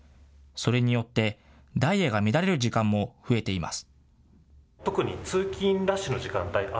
それによってダイヤが乱れる時間も増えています。